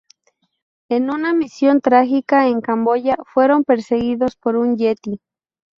En una misión trágica en Camboya fueron perseguidos por un yeti.